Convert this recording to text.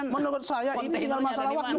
menurut saya ini tinggal masalah waktu